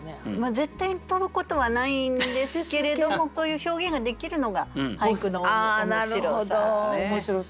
絶対飛ぶことはないんですけれどもこういう表現ができるのが俳句の面白さ。